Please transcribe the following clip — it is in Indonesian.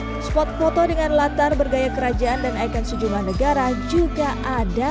outdoor tapi juga indoor spot foto dengan latar bergaya kerajaan dan ikan sejumlah negara juga ada